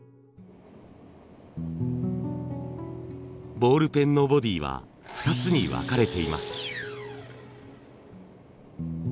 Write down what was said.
ボールペンのボディーは２つに分かれています。